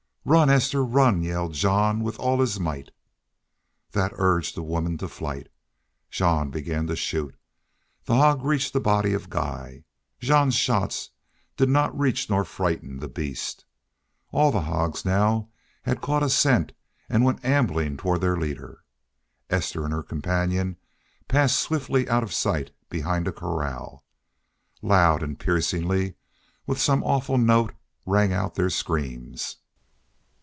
"Run, Esther, run!" yelled Jean, with all his might. That urged the women to flight. Jean began to shoot. The hog reached the body of Guy. Jean's shots did not reach nor frighten the beast. All the hogs now had caught a scent and went ambling toward their leader. Esther and her companion passed swiftly out of sight behind a corral. Loud and piercingly, with some awful note, rang out their screams.